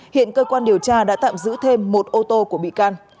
hiện cơ quan điều tra đã tạm giữ thêm một ô tô của bị can